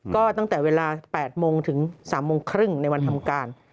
ก็ตั้งแต่เวลา๘โมงถึง๓โมงครึ่งในวันทำการ